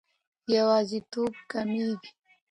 یوازیتوب کمېږي.